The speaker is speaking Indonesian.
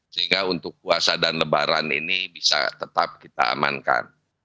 sehingga untuk puasa dan lebaran ini bisa tetap kita amankan